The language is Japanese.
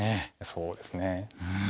そうですね。